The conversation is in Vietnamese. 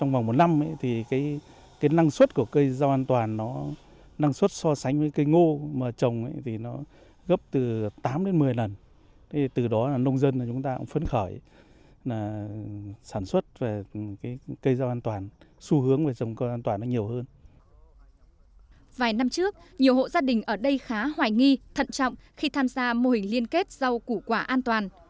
vài năm trước nhiều hộ gia đình ở đây khá hoài nghi thận trọng khi tham gia mô hình liên kết rau củ quả an toàn